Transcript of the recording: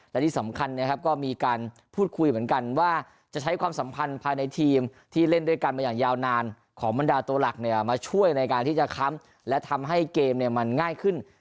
และที่สำคัญนะครับก็มีการพูดคุยเหมือนกันว่าจะใช้ความสัมพันธ์ภายในทีมที่เล่นด้วยกันมาอย่างยาวนานของบรรดาตัวหลักมาช่วยในการที่จะค้ำและทำให้เกมมันง่ายขึ้น